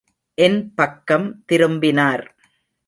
என் பக்கம் திரும்பினார்.